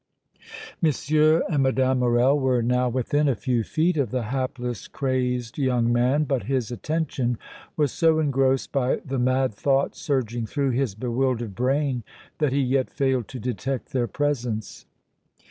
M. and Mme. Morrel were now within a few feet of the hapless, crazed young man, but his attention was so engrossed by the mad thoughts surging through his bewildered brain that he yet failed to detect their presence.